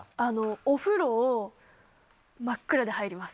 お風呂を、真っ暗で入ります。